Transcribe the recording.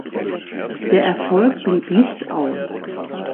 Der Erfolg blieb nicht aus.